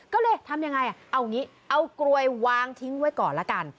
ก็เลยทำยังไงเอางี้เอากลวยวางทิ้งไว้ก่อนละกัน